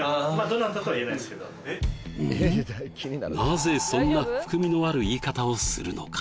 なぜそんな含みのある言い方をするのか？